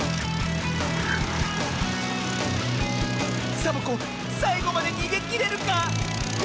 サボ子さいごまでにげきれるか⁉あ！